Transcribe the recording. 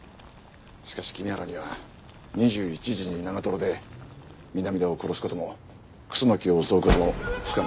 しかし君原には２１時に長で南田を殺す事も楠木を襲う事も不可能です。